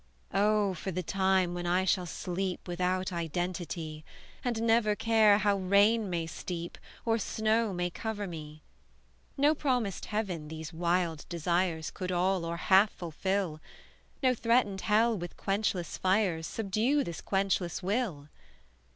"Oh, for the time when I shall sleep Without identity. And never care how rain may steep, Or snow may cover me! No promised heaven, these wild desires Could all, or half fulfil; No threatened hell, with quenchless fires, Subdue this quenchless will!"